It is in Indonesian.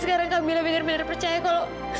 sekarang kamila benar benar percaya kalau